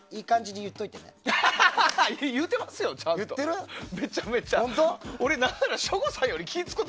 言うてますよ、ちゃんと。